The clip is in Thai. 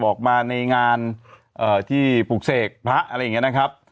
ออกมาในงานที่ปลูกเสกพระอะไรอย่างนี้นะครับ